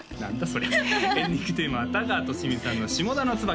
そりゃエンディングテーマは田川寿美さんの「下田の椿」です